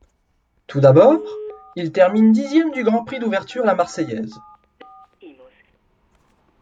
Tout d'abord, il termine dixième du Grand Prix d'ouverture La Marseillaise.